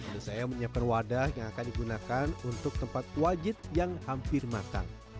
dan saya menyiapkan wadah yang akan digunakan untuk tempat wajib yang hampir matang